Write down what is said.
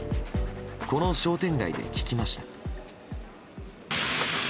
この商店街で聞きました。